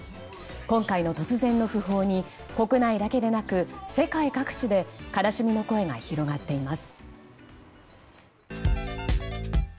今回の突然の訃報に国内だけでなく世界各地で悲しみの声が広がっています。